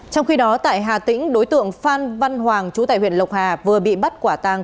trong khi đó tại hà tĩnh đối tượng phan văn hoàng chú tại huyện lộc hà vừa bị bắt quả tàng